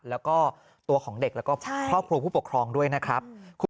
แล้วก็ตัวของเด็กแล้วก็ครอบครัวผู้ปกครองด้วยนะครับ